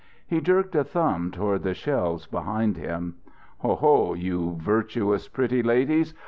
He jerked a thumb toward the shelves behind him. "Oho, you virtuous pretty ladies!